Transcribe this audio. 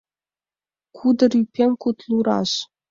Кудыр ӱпем кудлураш